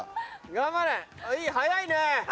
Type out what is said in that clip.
頑張れ早いね！